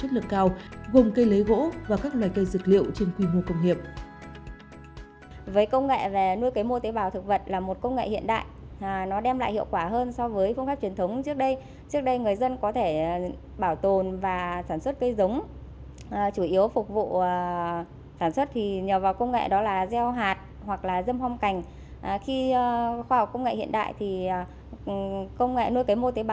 nhân giống chất lượng cao gồm cây lấy gỗ và các loài cây dược liệu trên quy mô công nghiệp